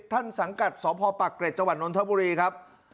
ท่านสังกัดสพปรักเกร็จจนธบุรีครับ